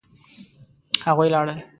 هغوی لاړل